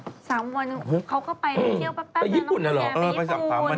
๓วันเขาก็ไปเที่ยวแป๊บน้องผู้ชายไปญี่ปุ่น